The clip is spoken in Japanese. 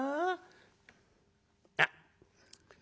あっ。